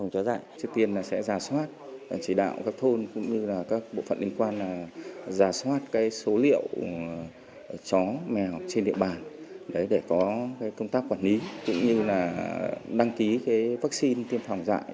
công tác quản lý cũng như là đăng ký vaccine tiêm phòng dạy